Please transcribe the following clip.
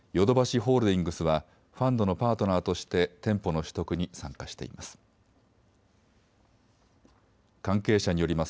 ホールディングスはファンドのパートナーとして店舗の取得に参加しています。